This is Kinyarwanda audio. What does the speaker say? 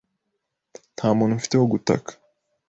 Nta muntu mfite wo gutaka.